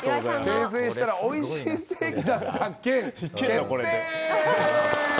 転生したら美味しいステーキだった件決定！